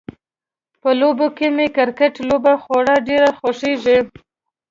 په لوبو کې مې د کرکټ لوبه خورا ډیره خوښیږي